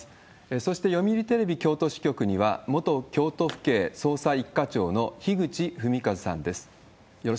そして読売テレビ京都支局には、元京都府警捜査一課長の樋口文和さんです。